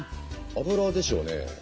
脂でしょうね。